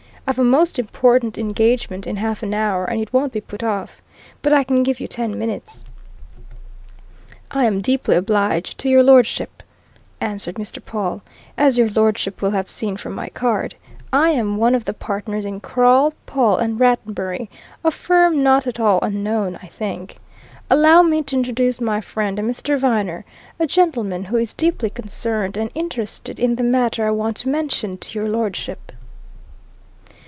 "I've a most important engagement in half an hour, and it won't be put off. But I can give you ten minutes." "I am deeply obliged to your lordship," answered Mr. Pawle. "As your lordship will have seen from my card, I am one of the partners in Crawle, Pawle and Rattenbury a firm not at all unknown, I think. Allow me to introduce my friend Mr. Viner, a gentlemen who is deeply concerned and interested in the matter I want to mention to your lordship."